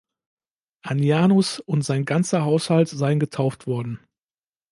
Anianus und sein ganzer Haushalt seien getauft worden.